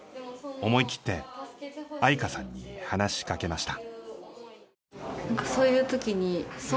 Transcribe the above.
思い切って愛華さんに話しかけました。